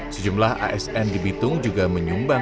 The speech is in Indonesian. sejumlah asn di bitung juga menyumbang